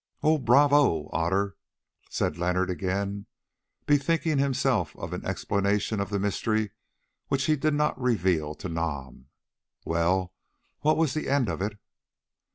"Oh, bravo, Otter!" said Leonard again, bethinking him of an explanation of the mystery which he did not reveal to Nam. "Well, what was the end of it?"